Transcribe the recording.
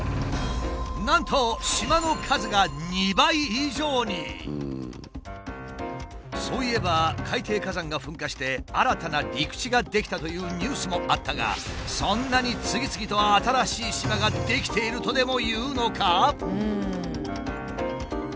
なんとそういえば海底火山が噴火して新たな陸地が出来たというニュースもあったがそんなに次々と新しい島が出来ているとでもいうのか？